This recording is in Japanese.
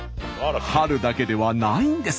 春だけではないんです。